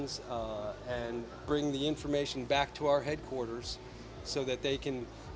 supaya mereka bisa bekerja dengan staf mereka